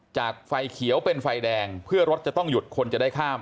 ไฟเขียวเป็นไฟแดงเพื่อรถจะต้องหยุดคนจะได้ข้าม